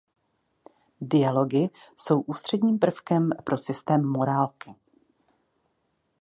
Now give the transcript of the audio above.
Dialogy jsou ústředním prvkem pro systém morálky.